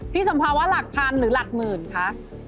สมภาวะหลักพันหรือหลักหมื่นคะ